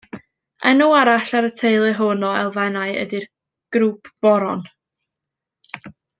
Enw arall y teulu hwn o elfennau ydy'r Grŵp Boron.